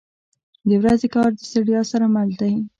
• د ورځې کار د ستړیا سره مل دی.